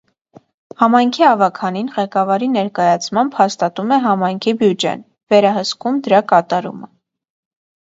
Համայնքի ավագանին ղեկավարի ներկայացմամբ հաստատում է համայնքի բյուջեն, վերահսկում՝ դրա կատարումը։